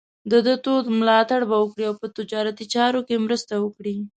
د ده تود ملاتړ به وکړي او په تجارتي چارو کې مرسته وکړي.